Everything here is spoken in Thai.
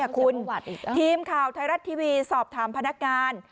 อ้าวเสียประวัติอีกอ่ะทีมข่าวไทยรัตน์ทีวีสอบถามพนักการ